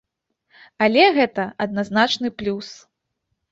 Але гэта адназначны плюс.